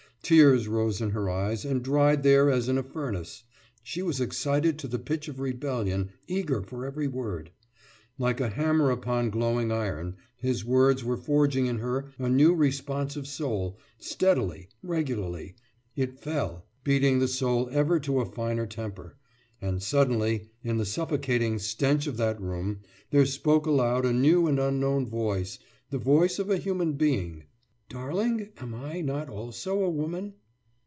Tears rose in her eyes and dried there as in a furnace; she was excited to the pitch of rebellion, eager for every word. Like a hammer upon glowing iron, his words were forging in her a new responsive soul Steadily, regularly, it fell beating the soul ever to a finer temper and suddenly, in the suffocating stench of that room, there spoke aloud a new and unknown voice, the voice of a human being. »Darling, am I not also a woman?